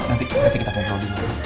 nanti kita ke hal ini